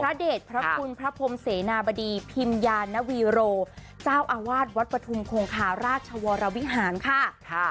เดชพระคุณพระพรมเสนาบดีพิมยานวีโรเจ้าอาวาสวัดปฐุมคงคาราชวรวิหารค่ะ